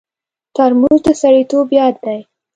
ترموز د سړیتوب یاد دی.